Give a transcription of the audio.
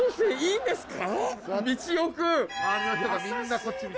ええいいんですか！？